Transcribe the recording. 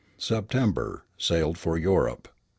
September. Sailed for Europe.